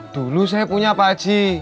dulu saya punya pak haji